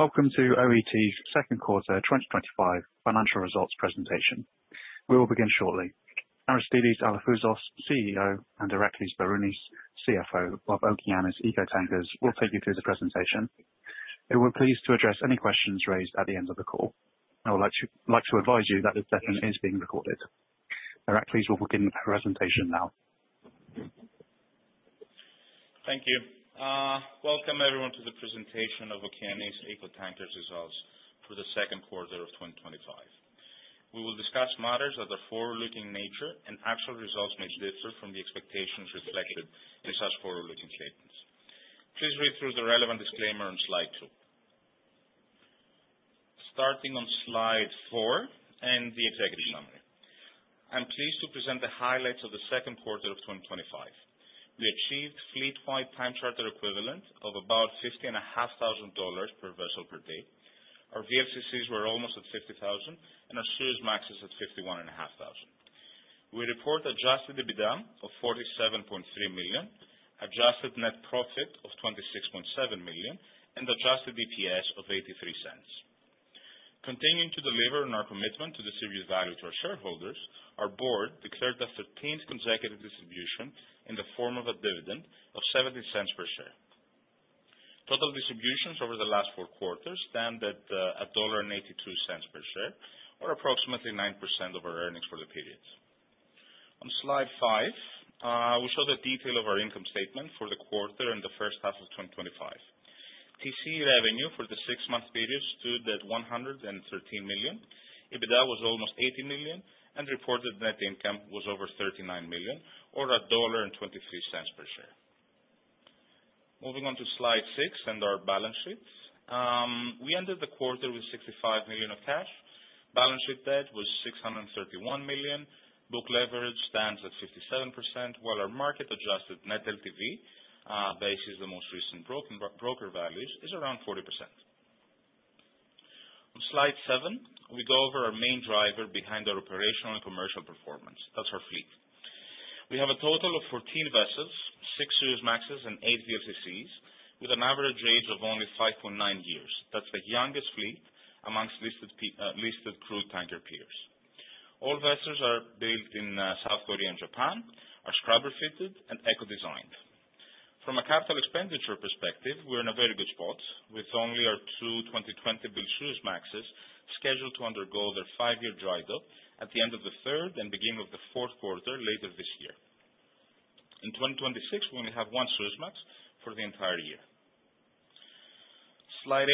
Welcome to OET's Second Quarter 2025 Financial Results Presentation. We will begin shortly. Aristidis Alafouzos, CEO, and Iralis Sbarounis, CFO of Okeanis Eco Tankers, will take you through the presentation. We will be pleased to address any questions raised at the end of the call. I would like to advise you that this session is being recorded. Iraklis will begin his presentation now. Thank you. Welcome everyone to the presentation of Okeanis Eco Tankers' Results For The Second Quarter Of 2025. We will discuss matters of the forward-looking nature and actual results may differ from the expectations reflected in such forward-looking statements. Please read through the relevant disclaimer on Slide 2. Starting on Slide 4 and the executive summary. I'm pleased to present the highlights of the second quarter of 2025. We achieved fleet-wide time charter equivalent of about $50,500 per vessel per day. Our VLCCs were almost at $50,000 and our Suezmaxes at $51,500. We report adjusted EBITDA of $47.3 million, adjusted net profit of $26.7 million, and adjusted EPS of $0.83. Continuing to deliver on our commitment to distribute value to our shareholders, our board declared a 13th consecutive distribution in the form of a dividend of $0.70 per share. Total distributions over the last four quarters stand at $1.83 per share, or approximately 9% of our earnings for the period. On Slide 5, we show the detail of our income statement for the quarter and the first-half of 2025. TCE revenue for the six-month period stood at $113 million. EBITDA was almost $80 million and reported net income was over $39 million, or $1.23 per share. Moving on to slide six and our balance sheet. We ended the quarter with $65 million of cash. Balance sheet debt was $631 million. Book leverage stands at 57%, while our market-adjusted net loan-to-value, basis the most recent broker values, is around 40%. On Slide 7, we go over our main driver behind our operational and commercial performance. That's our fleet. We have a total of 14 vessels, six Suezmaxes, and eight VLCCs, with an average age of only 5.9 years. That's the youngest fleet amongst listed crude tanker peers. All vessels are built in South Korea and Japan, are scrubber-fitted and eco-designed. From a capital expenditure perspective, we're in a very good spot with only our two 2020-built Suezmaxes scheduled to undergo their five-year dry dock at the end of the third and beginning of the fourth quarter later this year. In 2026, we only have one Suezmax for the entire year. Slide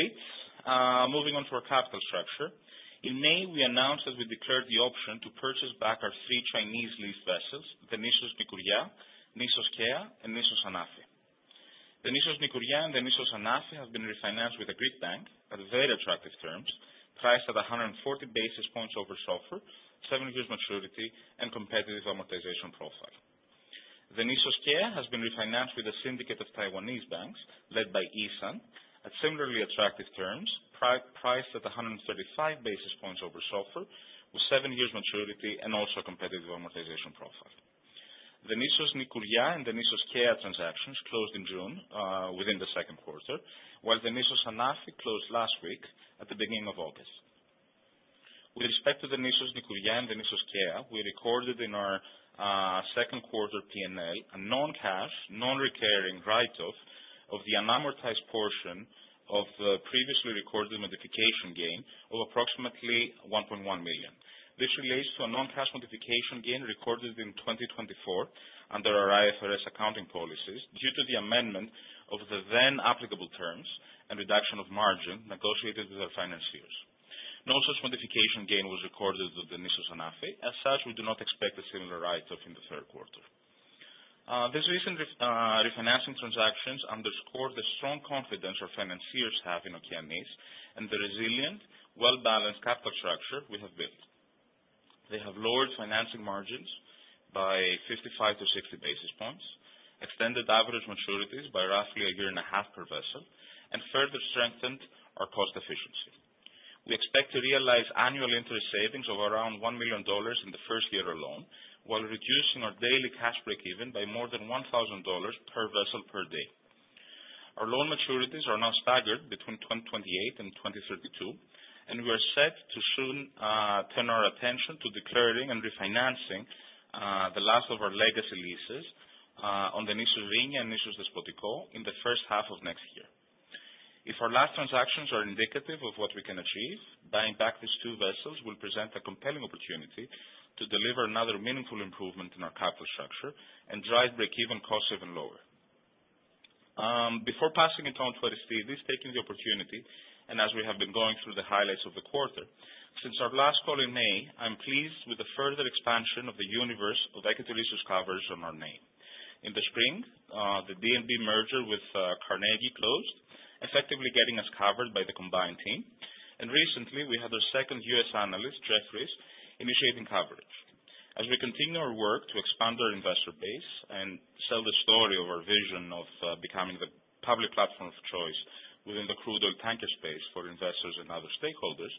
8. Moving on to our capital structure. In May, we announced that we declared the option to purchase back our three Chinese lease vessels, the Nissos Nikouria, Nissos Kea, and Nissos Anafi. The Nissos Nikouria and the Nissos Anafi have been refinanced with a Greek bank at very attractive terms, priced at 140 basis points over SOFR, seven years maturity, and competitive amortization profile. The Nissos Kea has been refinanced with the syndicate of Taiwanese banks led by E.SUN at similarly attractive terms, priced at 135 basis points over SOFR, with seven years maturity and also a competitive amortization profile. The Nissos Nikouria and the Nissos Kea transactions closed in June within the second quarter, while the Nissos Anafi closed last week at the beginning of August. With respect to the Nissos Nikouria and the Nissos Kea, we recorded in our second quarter P&L a non-cash, non-recurring write-off of the unamortized portion of the previously recorded modification gain of approximately $1.1 million. This relates to a non-cash modification gain recorded in 2024 under our IFRS accounting policies due to the amendment of the then applicable terms and reduction of margin negotiated with our financiers. No such modification gain was recorded with the Nissos Anafi. As such, we do not expect a similar write-off in the third quarter. These recent refinancing transactions underscore the strong confidence our financiers have in Okeanis and the resilient, well-balanced capital structure we have built. They have lowered financing margins by 55-60 basis points, extended average maturities by roughly a year and a half per vessel, and further strengthened our cost efficiency. We expect to realize annual interest savings of around $1 million in the first year alone, while reducing our daily cash break-even by more than $1,000 per vessel per day. Our loan maturities are now staggered between 2028 and 2032, and we are set to soon turn our attention to declaring and refinancing the last of our legacy leases on the Nissos Ring and Nissos Despotico in the first half of next year. If our last transactions are indicative of what we can achieve, buying back these two vessels will present a compelling opportunity to deliver another meaningful improvement in our capital structure and drive break-even costs even lower. Before passing it on to Aristidis, taking the opportunity, and as we have been going through the highlights of the quarter, since our last call in May, I'm pleased with the further expansion of the universe of Equity Leases coverage on our name. In the spring, the BNB merger with Carnegie closed, effectively getting us covered by the combined team. Recently, we had our second U.S. analyst, Jefferies, initiating coverage. As we continue our work to expand our investor base and sell the story of our vision of becoming the public platform of choice within the crude oil tanker space for investors and other stakeholders,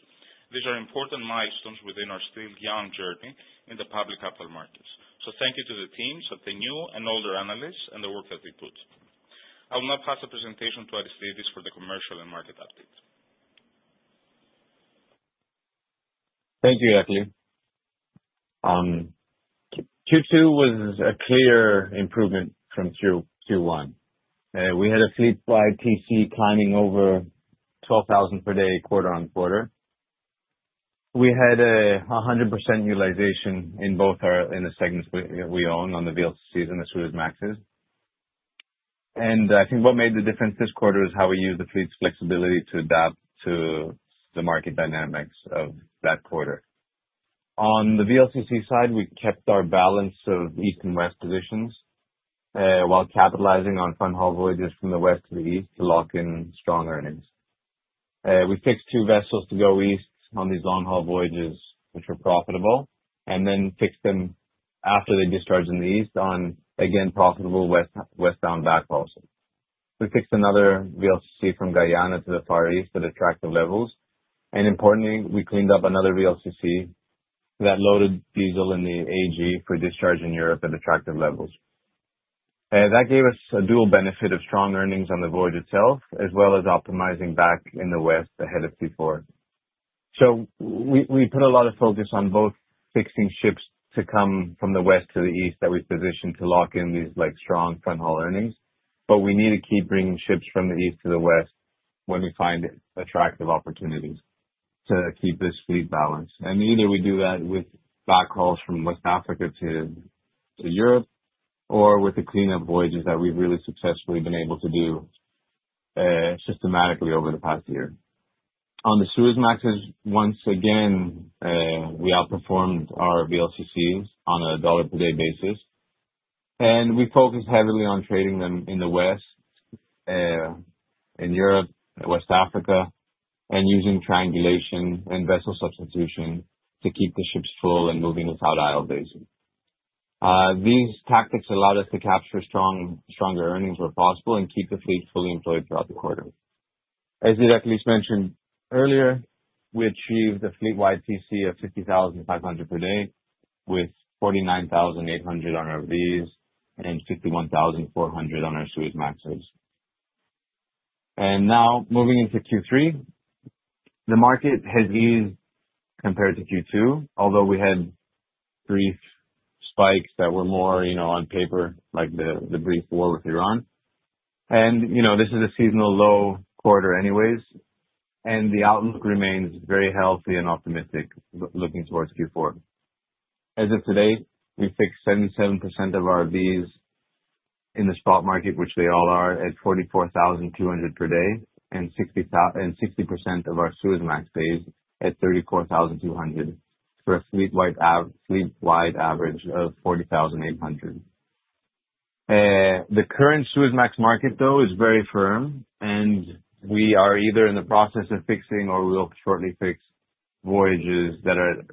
these are important milestones within our still young journey in the public capital markets. Thank you to the teams of the new and older analysts and the work that they put in. I will now pass the presentation to Aristidis for the commercial and market updates. Thank you, Iraklis. Q2 was a clear improvement from Q1. We had a fleet-wide TCE climbing over $12,000 per day, quarter-on-quarter. We had 100% utilization in both our segments we own on the VLCCs and the Suezmaxes. I think what made the difference this quarter is how we used the fleet's flexibility to adapt to the market dynamics of that quarter. On the VLCC side, we kept our balance of east and west positions while capitalizing on long haul voyages from the West to the East to lock in strong earnings. We fixed two vessels to go East on these long haul voyages which were profitable, and then fixed them after they discharged in the East on again profitable westbound backhauls. We fixed another VLCC from Guyana to the Far East at attractive levels. Importantly, we cleaned up another VLCC that loaded diesel in the AG for discharge in Europe at attractive levels. That gave us a dual benefit of strong earnings on the voyage itself, as well as optimizing back in the west ahead of Q4. We put a lot of focus on both fixing ships to come from the west to the East that we positioned to lock in these strong long haul earnings, but we need to keep bringing ships from the East to the west when we find attractive opportunities to keep this fleet balanced. Either we do that with backhauls from West Africa to Europe or with the cleanup voyages that we've really successfully been able to do systematically over the past year. On the Suezmaxes, once again, we outperformed our VLCCs on a dollar-per-day basis. We focused heavily on trading them in the West, in Europe, and West Africa, and using triangulation and vessel substitution to keep the ships full and moving without idle days. These tactics allowed us to capture stronger earnings where possible and keep the fleet fully employed throughout the quarter. As Iraklis mentioned earlier, we achieved a fleet-wide TCE of $50,500 per day with $49,800 on our VLCCs and $51,400 on our Suezmaxes. Now moving into Q3, the market has eased compared to Q2, although we had brief spikes that were more, you know, on paper, like the brief war with Iran. This is a seasonal low quarter anyways, and the outlook remains very healthy and optimistic looking towards Q4. As of today, we fixed 77% of our VLCCs in the spot market, which they all are, at $44,200 per day, and 60% of our Suezmaxes at $34,200 for a fleet-wide average of $40,800. The current Suezmax market, though, is very firm, and we are either in the process of fixing or we'll shortly fix voyages that are at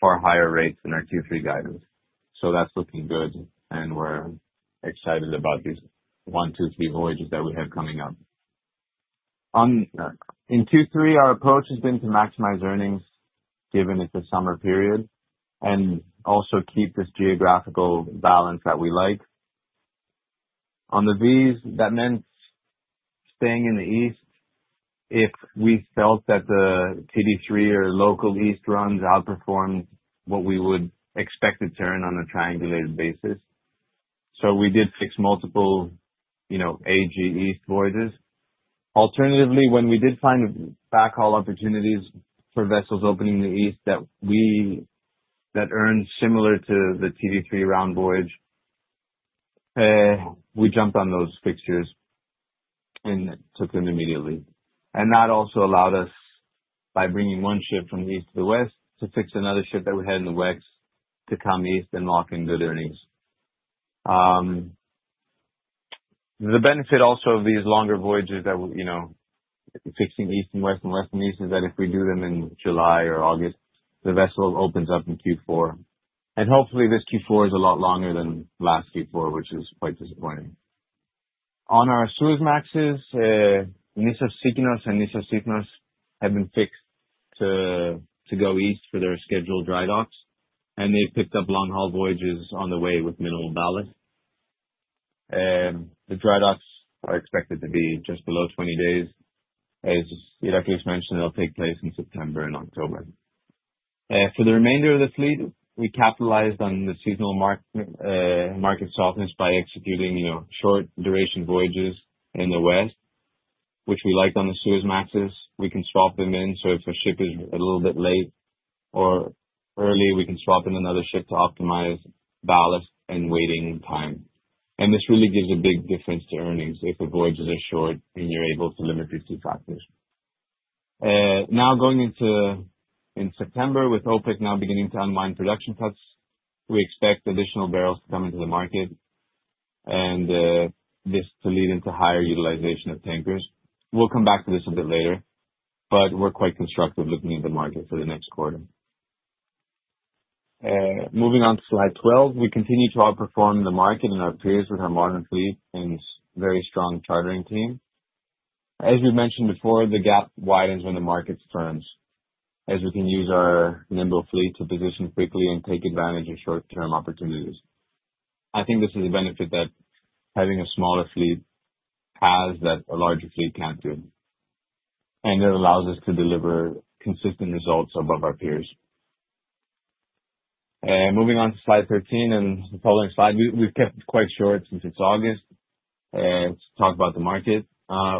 far higher rates than our Q3 guidance. That's looking good, and we're excited about these one, two, three voyages that we have coming up. In Q3, our approach has been to maximize earnings given it's a summer period and also keep this geographical balance that we like. On the VLCCs, that meant staying in the East if we felt that the TD3 or local East runs outperformed what we would expect it to earn on a triangulated basis. We did fix multiple, you know, AG East voyages. Alternatively, when we did find backhaul opportunities for vessels opening in the East that earned similar to the TD3 round voyage, we jumped on those fixtures and took them immediately. That also allowed us, by bringing one ship from the East to the West, to fix another ship that we had in the West, to come east and lock in good earnings. The benefit also of these longer voyages that we, you know, fixing East and West and West and East is that if we do them in July or August, the vessel opens up in Q4. Hopefully, this Q4 is a lot longer than last Q4, which is quite disappointing. On our Suezmaxes, Nissos Sikinos and Nissos Sipnos have been fixed to go east for their scheduled dry docks, and they've picked up long haul voyages on the way with minimal ballast. The dry docks are expected to be just below 20 days, as Iraklis mentioned, they'll take place in September and October. For the remainder of the fleet, we capitalized on the seasonal market softness by executing, you know, short duration voyages in the west, which we liked on the Suezmaxes. We can swap them in, so if a ship is a little bit late or early, we can swap in another ship to optimize ballast and waiting in time. This really gives a big difference to earnings if the voyages are short and you're able to limit these two factors. Now going into September, with OPEC now beginning to unwind production cuts, we expect additional barrels to come into the market and this to lead into higher utilization of tankers. We'll come back to this a bit later, but we're quite constructive looking at the market for the next quarter. Moving on to Slide 12, we continue to outperform the market and our peers with our modern fleet and very strong chartering team. As we mentioned before, the gap widens when the market spurns, as we can use our nimble fleet to position quickly and take advantage of short-term opportunities. I think this is a benefit that having a smaller fleet has that a larger fleet can't do, and it allows us to deliver consistent results above our peers. Moving on to Slide 13 and the following slide, we've kept it quite short since it's August. Let's talk about the market.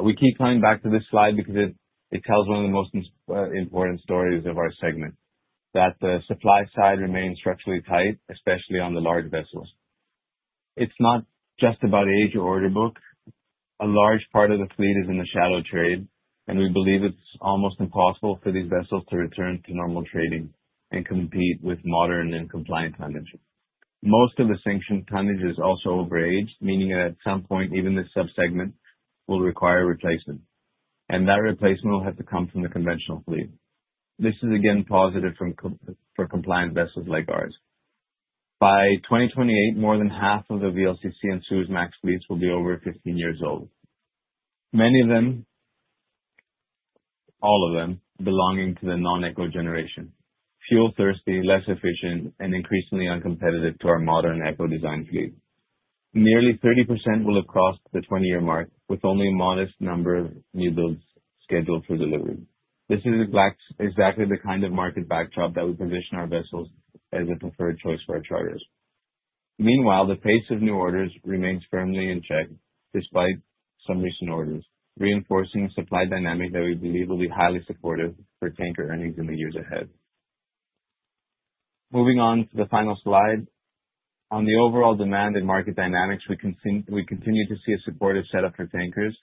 We keep coming back to this slide because it tells one of the most important stories of our segment, that the supply side remains structurally tight, especially on the large vessels. It's not just about age or order book. A large part of the fleet is in the shadow trade, and we believe it's almost impossible for these vessels to return to normal trading and compete with modern and compliant tonnage. Most of the sanctioned tonnage is also over age, meaning that at some point, even this subsegment will require replacement, and that replacement will have to come from the conventional fleet. This is again positive for compliant vessels like ours. By 2028, more than 1/2 of the VLCC and Suezmax fleets will be over 15 years old, many of them, all of them, belonging to the non-eco generation, fuel thirsty, less efficient, and increasingly uncompetitive to our modern eco-design fleet. Nearly 30% will have crossed the 20-year mark with only a modest number of newbuilds scheduled for delivery. This is exactly the kind of market backdrop that we position our vessels as a preferred choice for our charters. Meanwhile, the pace of new orders remains firmly in check despite some recent orders, reinforcing a supply dynamic that we believe will be highly supportive for tanker earnings in the years ahead. Moving on to the final slide. On the overall demand and market dynamics, we continue to see a supportive setup for tankers.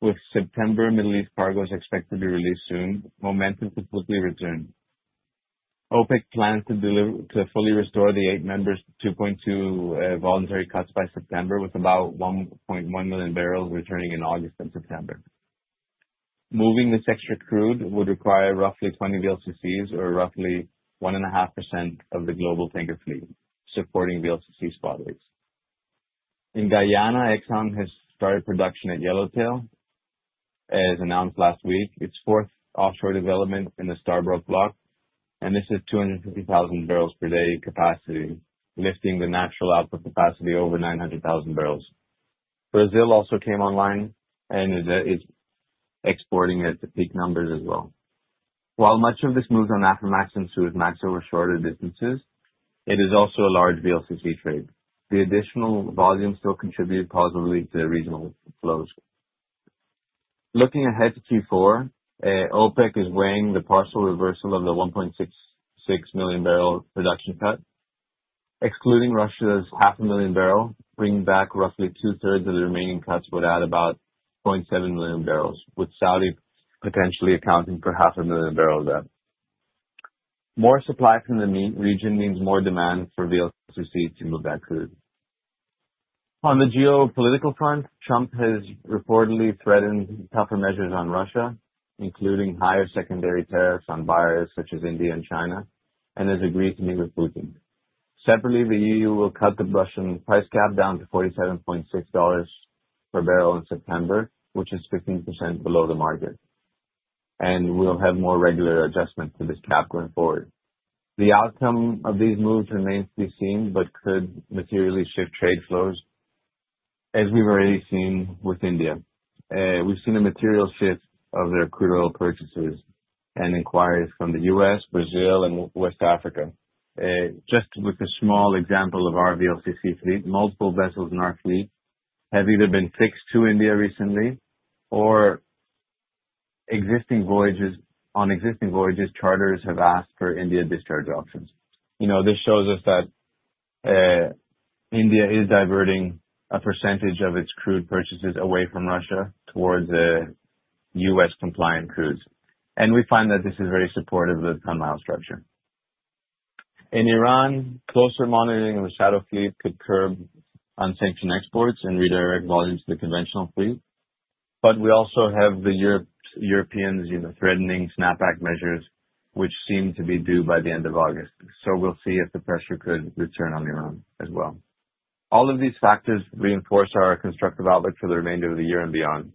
With September Middle East cargoes expected to release soon, momentum could quickly return. OPEC plans to fully restore the eight members' 2.2 voluntary cuts by September, with about 1.1 million bbl returning in August and September. Moving this extra crude would require roughly 20 VLCCs or roughly 1.5% of the global tanker fleet supporting VLCC spot rates. In Guyana, Exxon has started production at Yellowtail. As announced last week, its fourth offshore development in the Stabroek block, and this is 250,000 bbl per day capacity, lifting the national output capacity over 900,000 bbl. Brazil also came online and is exporting its peak numbers as well. While much of this moves on Aframax and Suezmax over shorter distances, it is also a large VLCC trade. The additional volume still contributes positively to regional flows. Looking ahead to Q4, OPEC is weighing the partial reversal of the 1.66 million bbl production cut, excluding Russia's 500,000 million bbl, bringing back roughly 2/3 of the remaining cuts, but at about 0.7 million bbl, with Saudi potentially accounting for 500,000 million bbl there. More supply from the region means more demand for VLCCs to move that crude. On the geopolitical front, Trump has reportedly threatened tougher measures on Russia, including higher secondary tariffs on buyers such as India and China, and has agreed to meet with Putin. Separately, the EU will cut the Russian price cap down to $47.6 per 1 bbl in September, which is 15% below the market, and we'll have more regular adjustments to this cap going forward. The outcome of these moves remains to be seen, but could materially shift trade flows, as we've already seen with India. We've seen a material shift of their crude oil purchases and inquiries from the U.S., Brazil, and West Africa. Just with a small example of our VLCC fleet, multiple vessels in our fleet have either been fixed to India recently or existing voyages. On existing voyages, charters have asked for India discharge options. This shows us that India is diverting a percentage of its crude purchases away from Russia towards the U.S. compliant crude. We find that this is very supportive of the contango structure. In Iran, closer monitoring of the shadow fleet could curb unsanctioned exports and redirect volumes to the conventional fleet. We also have the Europeans threatening snapback measures, which seem to be due by the end of August. We will see if the pressure could return on Iran as well. All of these factors reinforce our constructive outlook for the remainder of the year and beyond.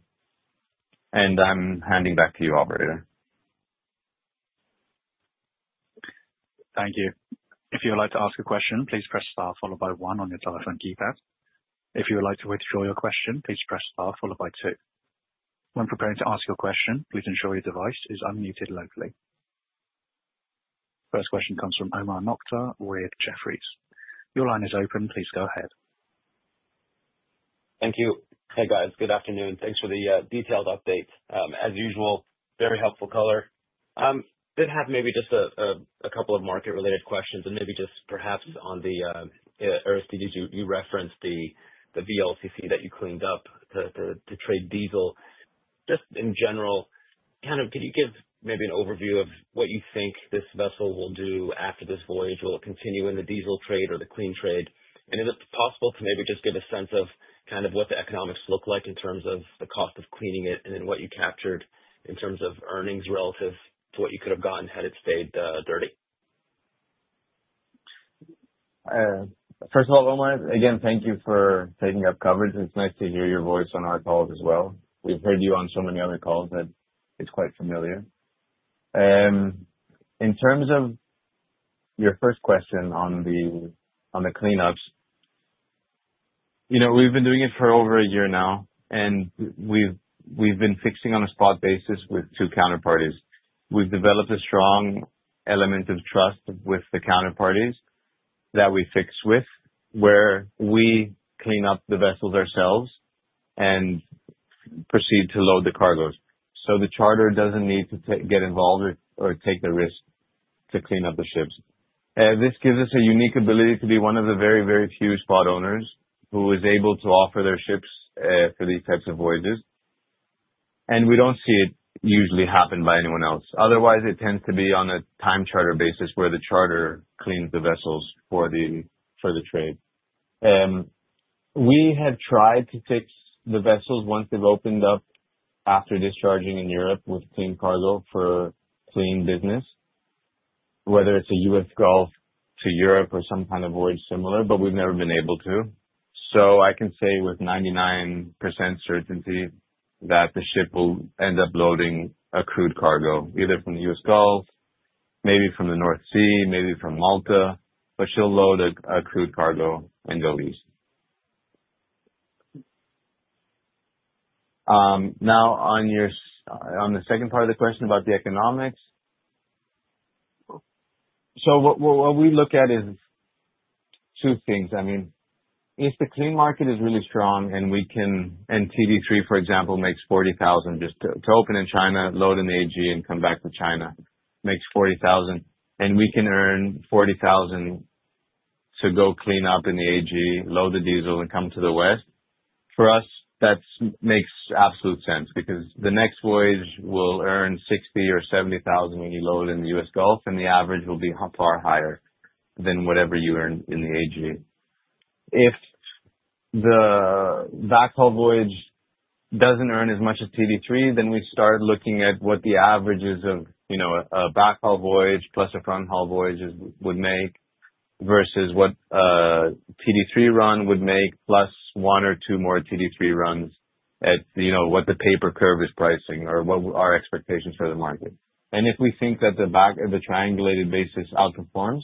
I'm handing back to you, operator. Thank you. If you would like to ask a question, please press star followed by one on your telephone keypad. If you would like to withdraw your question, please press star followed by two. When preparing to ask your question, please ensure your device is unmuted locally. First question comes from Omar Nokta with Jefferies. Your line is open. Please go ahead. Thank you. Hey guys, good afternoon. Thanks for the detailed update. As usual, very helpful color. I did have maybe just a couple of market-related questions and perhaps on the Aristidis, you referenced the VLCC that you cleaned up to trade diesel. In general, could you give maybe an overview of what you think this vessel will do after this voyage? Will it continue in the diesel trade or the clean trade? Is it possible to maybe just give a sense of what the economics look like in terms of the cost of cleaning it and then what you captured in terms of earnings relative to what you could have gotten had it stayed dirty? First of all, Omar, again, thank you for taking up coverage. It's nice to hear your voice on our calls as well. We've heard you on so many other calls that it's quite familiar. In terms of your first question on the cleanups, we've been doing it for over a year now, and we've been fixing on a spot basis with two counterparties. We've developed a strong element of trust with the counterparties that we fix with, where we clean up the vessels ourselves and proceed to load the cargoes. The charter doesn't need to get involved or take the risk to clean up the ships. This gives us a unique ability to be one of the very, very few spot owners who is able to offer their ships for these types of voyages. We don't see it usually happen by anyone else. Otherwise, it tends to be on a time charter basis where the charter cleans the vessels for the trade. We have tried to fix the vessels once they've opened up after discharging in Europe with clean cargo for clean business, whether it's a U.S. Gulf to Europe or some kind of voyage similar, but we've never been able to. I can say with 99% certainty that the ship will end up loading a crude cargo either from the U.S. Gulf, maybe from the North Sea, maybe from Malta, but she'll load a crude cargo and go east. Now on the second part of the question about the economics. What we look at is two things. If the clean market is really strong and we can, and TD3, for example, makes $40,000 just to open in China, load in AG, and come back to China, makes $40,000, and we can earn $40,000 to go clean up in the AG, load the diesel, and come to the West. For us, that makes absolute sense because the next voyage will earn $60,000 or $70,000 when you load in the U.S. Gulf, and the average will be far higher than whatever you earn in the AG. If the backhaul voyage doesn't earn as much as TD3, then we start looking at what the averages of a backhaul voyage plus a front haul voyage would make versus what a TD3 run would make plus one or two more TD3 runs at what the paper curve is pricing or what our expectations for the market. If we think that the back of a triangulated basis outperforms,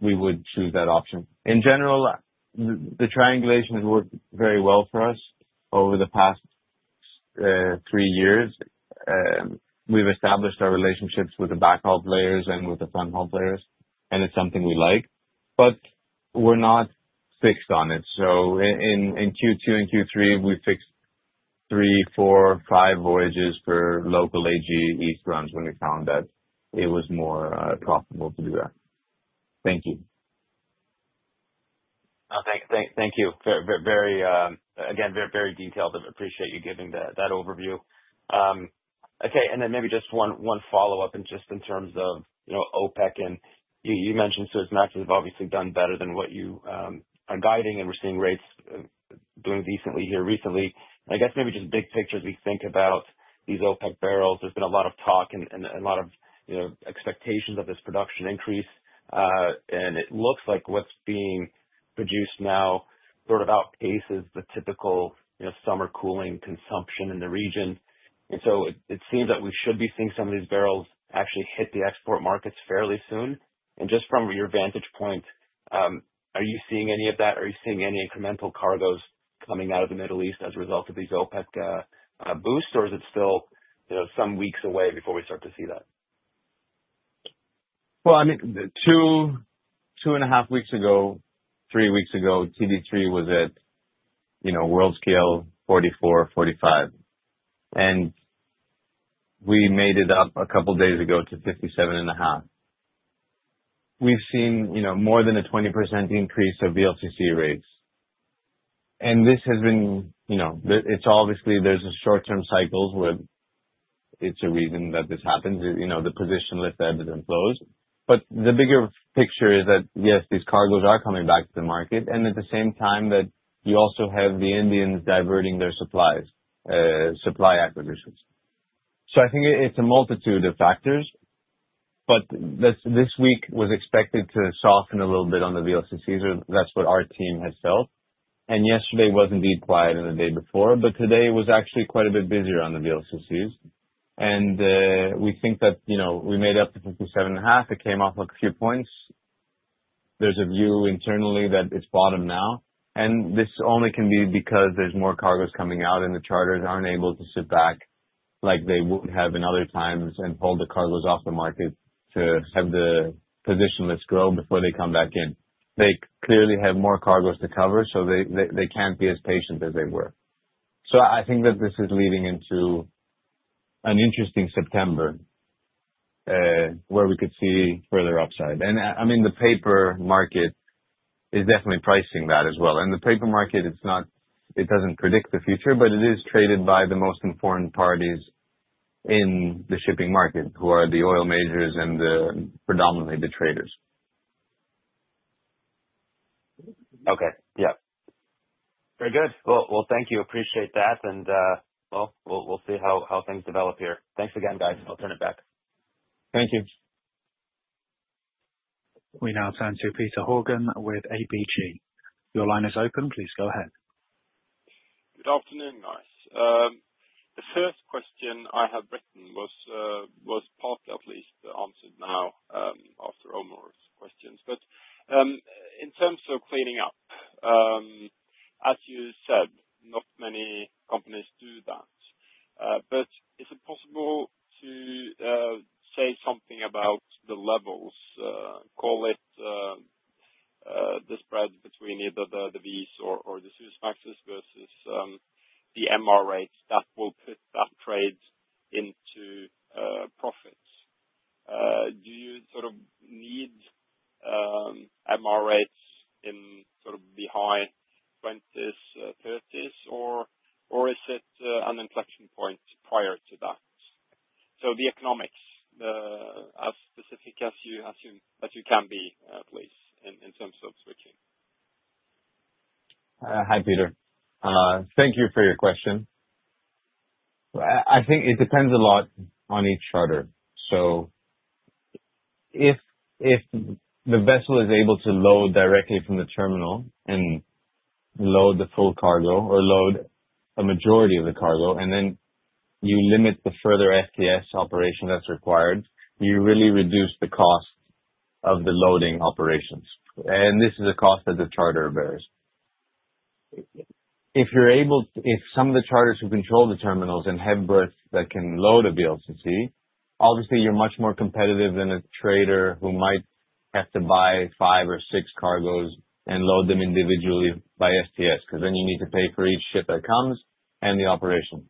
we would choose that option. In general, the triangulation has worked very well for us over the past three years. We've established our relationships with the backhaul players and with the front haul players, and it's something we like, but we're not fixed on it. In Q2 and Q3, we fixed three, four, five voyages for local AG east runs when we found that it was more profitable to do that. Thank you. Thank you. Again, very detailed. I appreciate you giving that overview. Okay. Maybe just one follow-up in terms of, you know, OPEC. You mentioned Suezmaxes have obviously done better than what you are guiding, and we're seeing rates bloom decently here recently. I guess maybe just big picture as we think about these OPEC barrels. There's been a lot of talk and a lot of, you know, expectations of this production increase. It looks like what's being produced now sort of outpaces the typical, you know, summer cooling consumption in the region. It seems that we should be seeing some of these barrels actually hit the export markets fairly soon. Just from your vantage point, are you seeing any of that? Are you seeing any incremental cargoes coming out of the Middle East as a result of these OPEC boosts, or is it still, you know, some weeks away before we start to see that? Two, two and a half weeks ago, three weeks ago, TD3 was at Worldscale 44%, 45%. We made it up a couple of days ago to 57.5%. We've seen more than a 20% increase of VLCC rates. This has been, it's obviously there's a short-term cycle where it's a reason that this happens. The position lists, edges, and flows. The bigger picture is that, yes, these cargoes are coming back to the market. At the same time, you also have the Indians diverting their supply acquisitions. I think it's a multitude of factors, but this week was expected to soften a little bit on the VLCCs. That's what our team had felt. Yesterday was indeed quiet and the day before, but today was actually quite a bit busier on the VLCCs. We think that we made up to 57.5. It came off a few points. There's a view internally that it's bottomed now. This only can be because there's more cargoes coming out and the charters aren't able to sit back like they would have in other times and hold the cargoes off the market to have the position list grow before they come back in. They clearly have more cargoes to cover, so they can't be as patient as they were. I think that this is leading into an interesting September where we could see further upside. The paper market is definitely pricing that as well. The paper market doesn't predict the future, but it is traded by the most informed parties in the shipping market, who are the oil majors and predominantly the traders. Okay. Very good. Thank you. Appreciate that. We'll see how things develop here. Thanks again, guys. I'll turn it back. Thank you. We now turn to Petter Haugen with ABG. Your line is open. Please go ahead. Good afternoon, guys. The first question I had written was partly at least answered now after Omar's questions. In terms of cleaning up, as you said, not many companies do that. Is it possible to say something about the levels, call it the spread between either the VLCCs or the Suezmaxes versus the MR rates that will put that trade into profits? Do you sort of need MR rates in sort of high 20s, 30s, or is it an inflection point prior to that? The economics, as specific as you assume that you can be, please, in terms of switching. Hi, Peter. Thank you for your question. I think it depends a lot on each charter. If the vessel is able to load directly from the terminal and load the full cargo or load a majority of the cargo, and you limit the further FTS operation that's required, you really reduce the cost of the loading operations. This is a cost that the charter bears. If some of the charters who control the terminals have both that can load a VLCC, obviously, you're much more competitive than a trader who might have to buy five or six cargoes and load them individually by FTS because you need to pay for each ship that comes and the operation.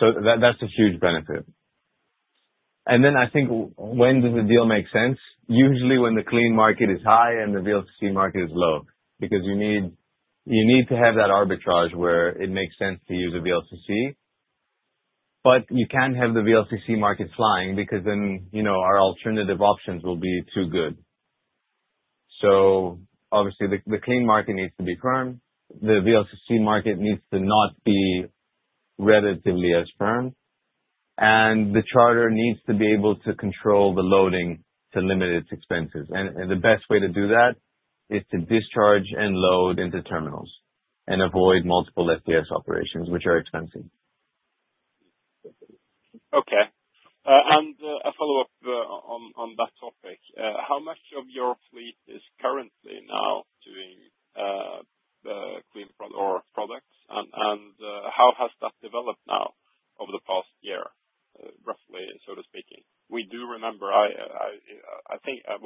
That's a huge benefit. I think when does the deal make sense? Usually, when the clean market is high and the VLCC market is low because you need to have that arbitrage where it makes sense to use a VLCC, but you can't have the VLCC market flying because then, you know, our alternative options will be too good. The clean market needs to be firm. The VLCC market needs to not be relatively as firm. The charter needs to be able to control the loading to limit its expenses. The best way to do that is to discharge and load into terminals and avoid multiple FTS operations, which are expensive. Okay. A follow-up on that topic. How much of your fleet is currently now doing clean products? How has that developed now over the past year, roughly, so to speak? I do remember, I think at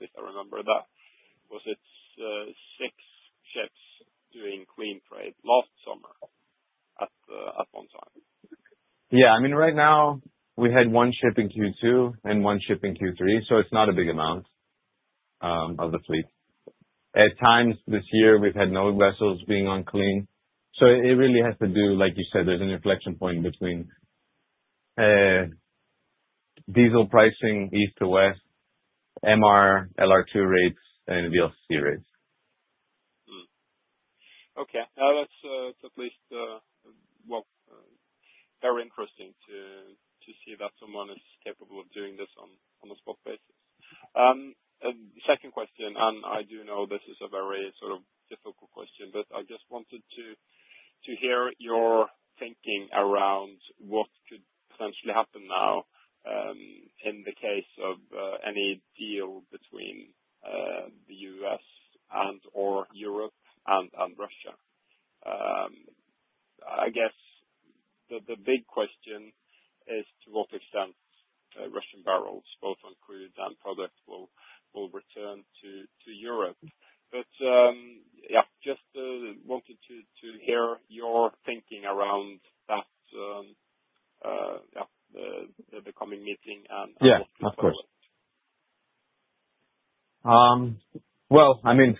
least I remember, that was it six ships doing clean trade last summer at one time. Yeah. I mean, right now, we had one ship in Q2 and one ship in Q3. It's not a big amount of the fleet. At times this year, we've had no vessels being on clean. It really has to do, like you said, there's an inflection point between diesel pricing East to West, MR, LR2 rates, and VLCC rates. Okay. That's at least very interesting to see that someone is capable of doing this on a spot basis. Second question, and I do know this is a very sort of difficult question, but I just wanted to hear your thinking around what could potentially happen now in the case of any deal between the U.S. and/or Europe and Russia. I guess the big question is to what extent Russian barrels, both on crude and product, will return to Europe. Just wanted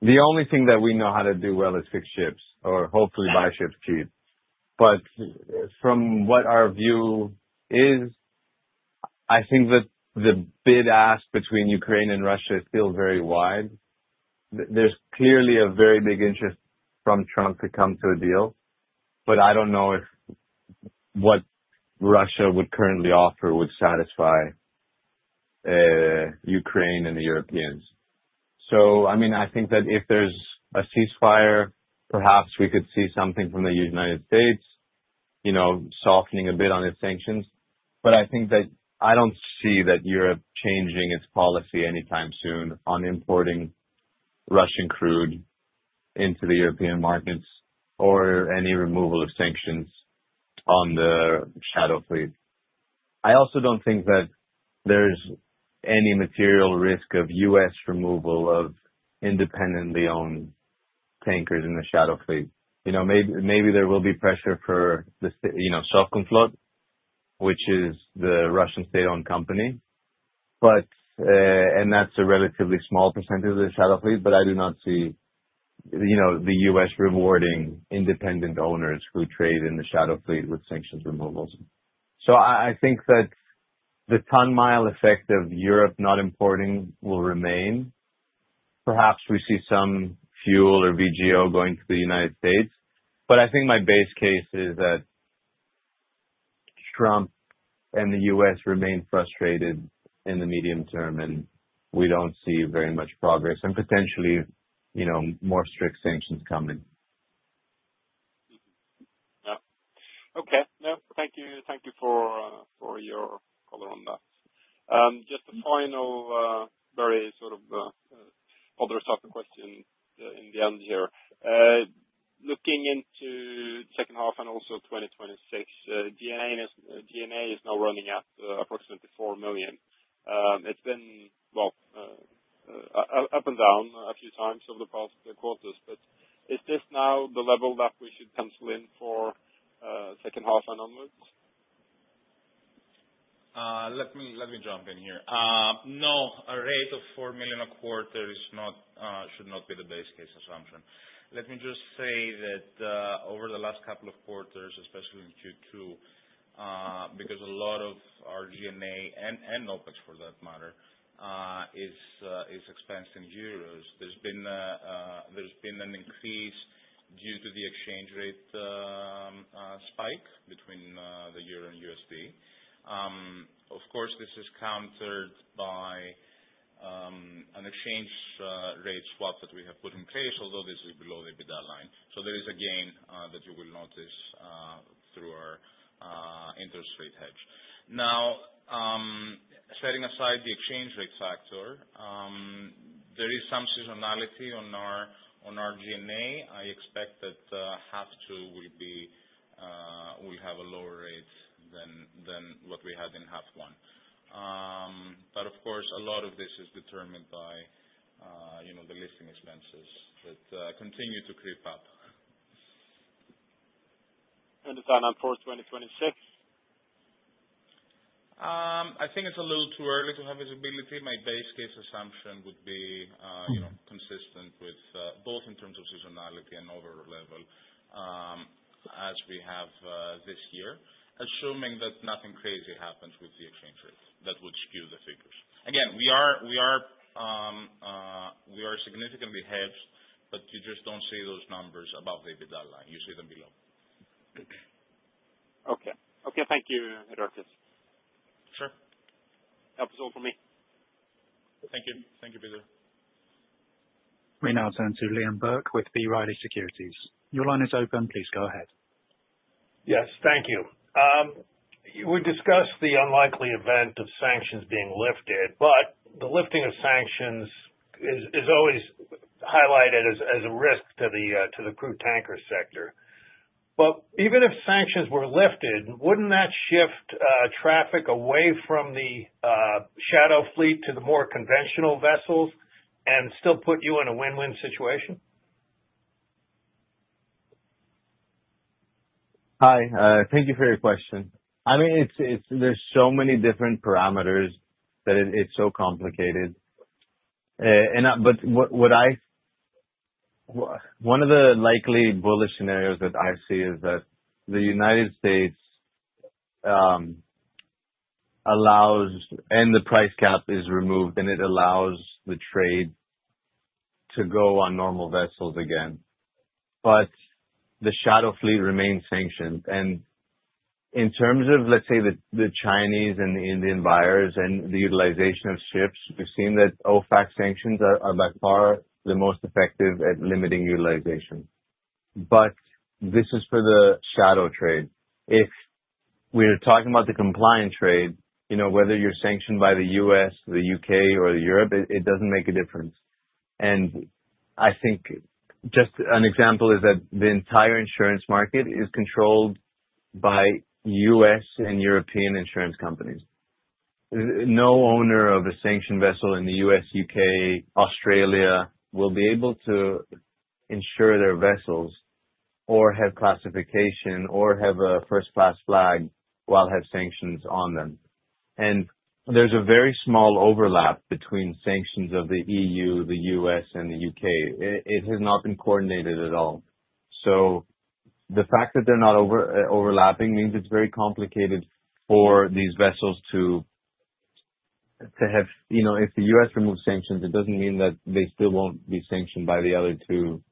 to hear your thinking around that, the coming meeting and what could happen. Of course. I mean, the only thing that we know how to do well is fix ships or hopefully buy ships cheap. From what our view is, I think that the bid ask between Ukraine and Russia is still very wide. There's clearly a very big interest from Trump to come to a deal, but I don't know if what Russia would currently offer would satisfy Ukraine and the Europeans. I think that if there's a ceasefire, perhaps we could see something from the United States, you know, softening a bit on its sanctions. I think that I don't see Europe changing its policy anytime soon on importing Russian crude into the European markets or any removal of sanctions on the shadow fleet. I also don't think that there's any material risk of U.S. removal of independently owned tankers in the shadow fleet. Maybe there will be pressure for the, you know, Sovcomflot, which is the Russian state-owned company. That's a relatively small percentage of the shadow fleet, but I do not see the U.S. rewarding independent owners who trade in the shadow fleet with sanctions removals. I think that the ton-mile effect of Europe not importing will remain. Perhaps we see some fuel or VGO going to the U.S. I think my base case is that Trump and the U.S. remain frustrated in the medium term, and we don't see very much progress and potentially more strict sanctions coming. Yeah. Okay. No, thank you. Thank you for your color on that. Just a final, very sort of other type of question in the end here. Looking into the second half and also 2026, G&A is now running at approximately $4 million. It's been up and down a few times over the past quarters. Is this now the level that we should pencil in for the second half and onwards? Let me jump in here. No, a rate of $4 million a quarter should not be the base case assumption. Let me just say that over the last couple of quarters, especially in Q2, because a lot of our G&A and OpEx, for that matter, is expensed in euros, there's been an increase due to the exchange rate spike between the Euro and USD. Of course, this is countered by an exchange rate swap that we have put in place, although this is below the EBITDA line. There is a gain that you will notice through our interest rate hedge. Now, setting aside the exchange rate factor, there is some seasonality on our G&A. I expect that half-two will have a lower rate than what we had in half-one. Of course, a lot of this is determined by the listing expenses that continue to creep up. Is that on for 2026? I think it's a little too early to have visibility. My base case assumption would be, you know, consistent with both in terms of seasonality and overall level as we have this year, assuming that nothing crazy happens with the exchange rates that would skew the figures. We are significantly hedged, but you just don't see those numbers above the EBITDA line. You see them below. Okay. Thank you, Iraklis. Sure. Yep, sold for me. Thank you. Thank you, Petter. We now turn to Liam Burke with B. Riley Securities. Your line is open. Please go ahead. Yes, thank you. We discussed the unlikely event of sanctions being lifted, but the lifting of sanctions is always highlighted as a risk to the crude tanker sector. Even if sanctions were lifted, wouldn't that shift traffic away from the shadow fleet to the more conventional vessels and still put you in a win-win situation? Hi. Thank you for your question. I mean, there are so many different parameters that it's so complicated. One of the likely bullish scenarios that I see is that the United States allows and the price cap is removed, and it allows the trade to go on normal vessels again. The shadow fleet remains sanctioned. In terms of, let's say, the Chinese and the Indian buyers and the utilization of ships, we've seen that OFAC sanctions are by far the most effective at limiting utilization. This is for the shadow trade. If we're talking about the compliance trade, whether you're sanctioned by the U.S., the U.K., or Europe, it doesn't make a difference. I think just an example is that the entire insurance market is controlled by U.S. and European insurance companies. No owner of a sanctioned vessel in the U.S., U.K., or Australia will be able to insure their vessels or have classification or have a first-class flag while having sanctions on them. There is a very small overlap between sanctions of the EU, the U.S., and the U.K. It has not been coordinated at all. The fact that they're not overlapping means it's very complicated for these vessels to have, you know, if the U.S. removes sanctions, it doesn't mean that they still won't be sanctioned by the other two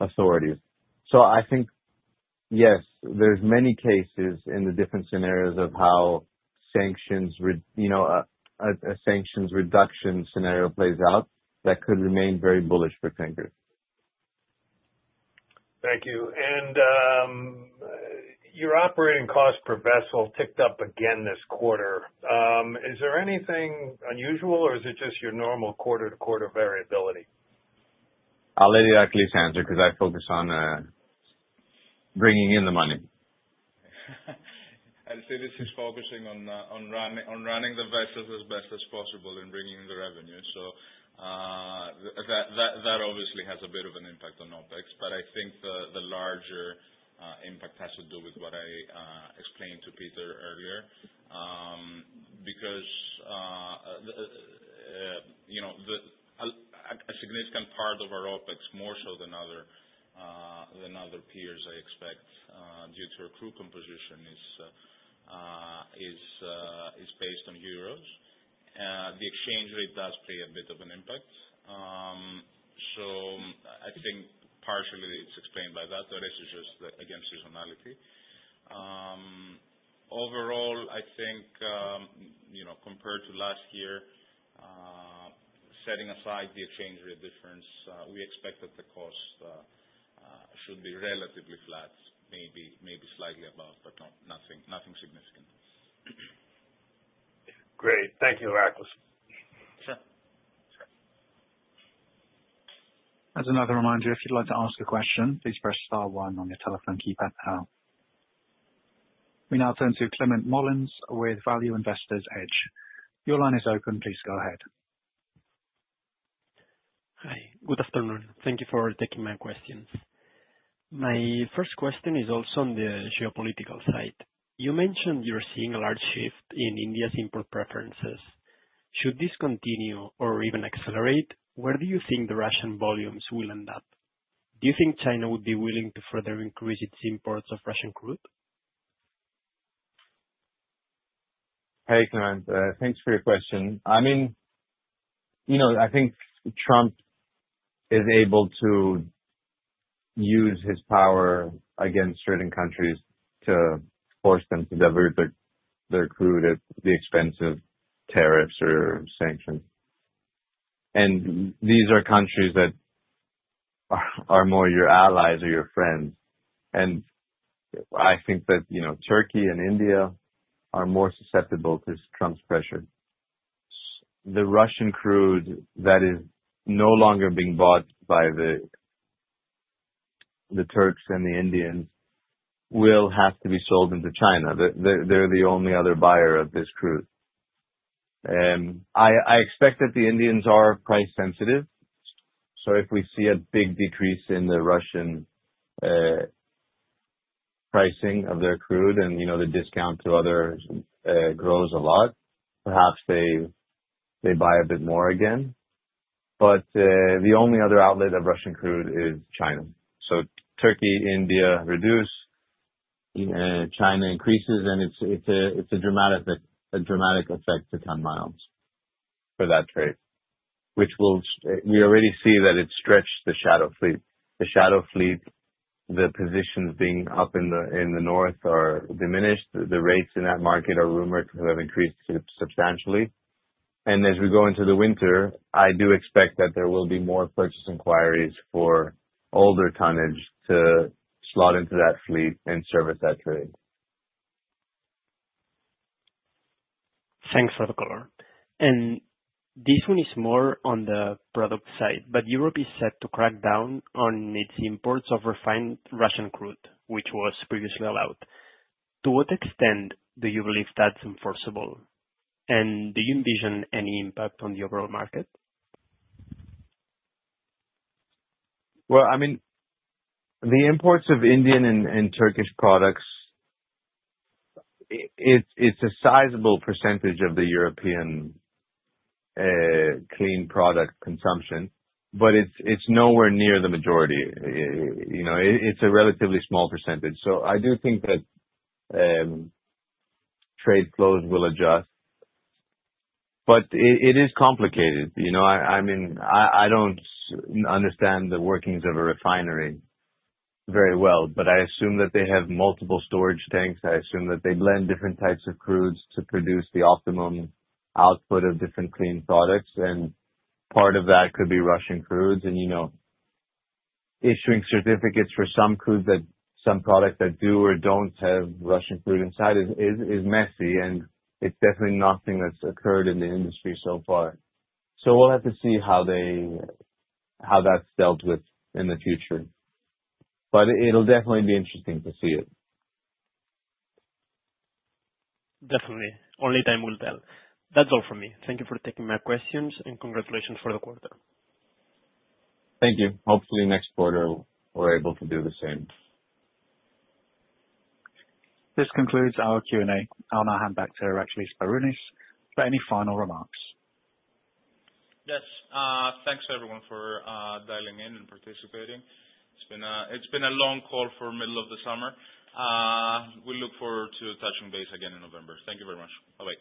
authorities. I think, yes, there are many cases in the different scenarios of how sanctions, you know, a sanctions reduction scenario plays out that could remain very bullish for tankers. Thank you. Your operating cost per vessel ticked up again this quarter. Is there anything unusual, or is it just your normal quarter-to-quarter variability? I'll let Iraklis answer because that focus on bringing in the money. I'd say this is focusing on running the vessels as best as possible and bringing in the revenue. That obviously has a bit of an impact on OpEx, but I think the larger impact has to do with what I explained to Petter earlier. You know, a significant part of our OpEx, more so than other peers, I expect, due to our crude composition, is based on euros. The exchange rate does play a bit of an impact. I think partially it's explained by that, but this is just against seasonality. Overall, I think, compared to last year, setting aside the exchange rate difference, we expect that the cost should be relatively flat, maybe slightly above, but nothing significant. Great. Thank you, Iraklis. Sure. As another reminder, if you'd like to ask a question, please press star one on your telephone keypad now. We now turn to Climent Molins with Value Investor's Edge. Your line is open. Please go ahead. Hi. Good afternoon. Thank you for taking my questions. My first question is also on the geopolitical side. You mentioned you're seeing a large shift in India's import preferences. Should this continue or even accelerate? Where do you think the Russian volumes will end up? Do you think China would be willing to further increase its imports of Russian crude? Hey, Climent. Thanks for your question. I mean, you know, I think Trump is able to use his power against certain countries to force them to divert their crude at the expense of tariffs or sanctions. These are countries that are more your allies or your friends. I think that, you know, Turkey and India are more susceptible to Trump's pressure. The Russian crude that is no longer being bought by the Turks and the Indians will have to be sold into China. They're the only other buyer of this crude. I expect that the Indians are price-sensitive. If we see a big decrease in the Russian pricing of their crude and, you know, the discount to others grows a lot, perhaps they buy a bit more again. The only other outlet of Russian crude is China. Turkey, India reduce, China increases, and it's a dramatic effect to ton miles for that trade, which will, we already see that it stretches the shadow fleet. The shadow fleet, the positions being up in the north are diminished. The rates in that market are rumored to have increased substantially. As we go into the winter, I do expect that there will be more purchase inquiries for older tonnage to slot into that fleet and service that trade. Thanks for that. This one is more on the product side, but Europe is set to crack down on its imports of refined Russian crude, which was previously allowed. To what extent do you believe that's enforceable? Do you envision any impact on the overall market? The imports of Indian and Turkish products, it's a sizable percentage of the European clean product consumption, but it's nowhere near the majority. It's a relatively small percentage. I do think that trade flows will adjust, but it is complicated. I don't understand the workings of a refinery very well, but I assume that they have multiple storage tanks. I assume that they blend different types of crudes to produce the optimum output of different clean products. Part of that could be Russian crudes. Issuing certificates for some crudes, that some products that do or don't have Russian crude inside, is messy, and it's definitely nothing that's occurred in the industry so far. We'll have to see how that's dealt with in the future. It'll definitely be interesting to see it. Definitely. Only time will tell. That's all for me. Thank you for taking my questions, and congratulations for the quarter. Thank you. Hopefully, next quarter we're able to do the same. This concludes our Q&A. I'll now hand back to Iraklis Sbarounis for any final remarks. Yes. Thanks to everyone for dialing in and participating. It's been a long call for the middle of the summer. We look forward to touching base again in November. Thank you very much. Bye-bye.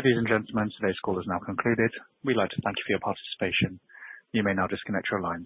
Ladies and gentlemen, today's call is now concluded. We'd like to thank you for your participation. You may now disconnect your line.